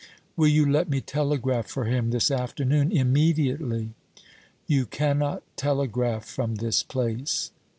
"Will you let me telegraph for him this afternoon immediately?" "You cannot telegraph from this place."